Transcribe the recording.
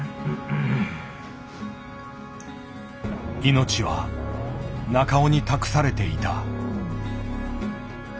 命は中尾に託されていた。